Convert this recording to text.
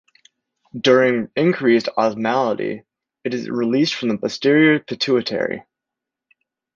During increased osmolality, it is released from the posterior pituitary.